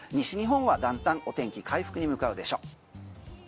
西日本はだんだんと天気回復に向かうでしょう。